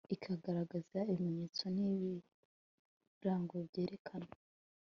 ikagaragaza ibimenyetso n ibirango byerekana